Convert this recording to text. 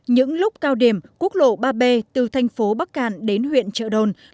những lúc cao điểm quốc lộ ba b từ thành phố bắc cạn đến huyện trợ đồn